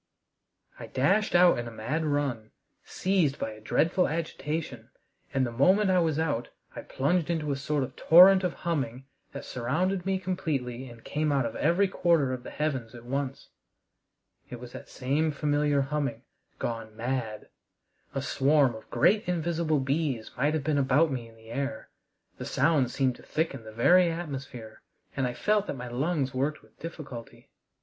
I dashed out in a mad run, seized by a dreadful agitation, and the moment I was out I plunged into a sort of torrent of humming that surrounded me completely and came out of every quarter of the heavens at once. It was that same familiar humming gone mad! A swarm of great invisible bees might have been about me in the air. The sound seemed to thicken the very atmosphere, and I felt that my lungs worked with difficulty.